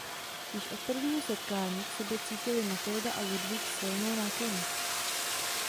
Již od prvního setkání k sobě cítili Matylda a Ludvík silnou náklonnost.